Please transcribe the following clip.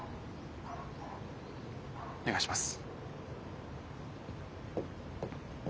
お願いします。